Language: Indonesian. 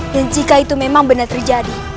dan jika itu memang benar terjadi